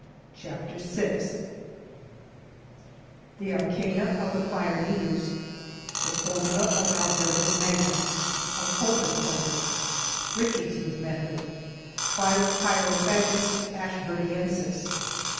CHAPTER SIX THE ARCANA OF THE FIRE EATERS: THE FORMULA OF ALBERTUS MAGNUS. OF HOCUS POCUS. RICHARDSON'S METHOD. PHILOPYRAPHAGUS ASHBURNIENSIS.